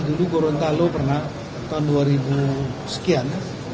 dulu gorontalo pernah tahun dua ribu sekian